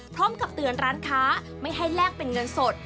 พร้อมกับเตือนร้านค้าไม่ให้แลกเป็นเงินสด